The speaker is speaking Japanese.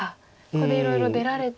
ここでいろいろ出られて。